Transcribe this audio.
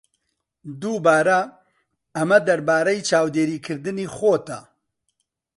دووبارە، ئەمە دەربارەی چاودێریکردنی خۆتە.